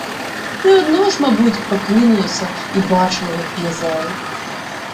Не одно ж, мабуть, прокинулося і бачило, як в’язали.